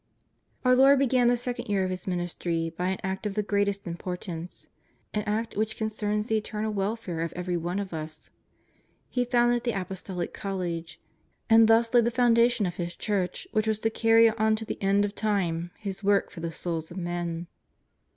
Our Lord began the second year of His Ministry by an act of the greatest importance, an act which con cerns the eternal welfare of every one of us. He founded the Apostolic College, and thus laid the founda tion of His Church which was to carry on to the end of time His work for the souls of men.